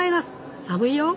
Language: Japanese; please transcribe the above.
寒いよ！